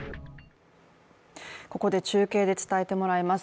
ここで中継で伝えてもらいます。